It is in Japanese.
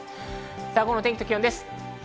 午後の天気と気温です。